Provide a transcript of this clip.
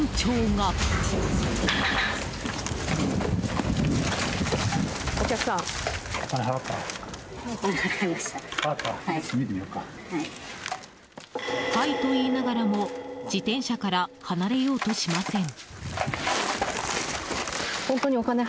はいと言いながらも自転車から離れようとしません。